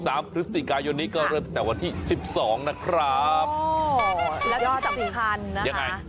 สามพลิกาโยนนี้ก็เริ่มแต่วันที่สิบสองนะครับอ๋อแล้วก็จัดสิบพันนะคะ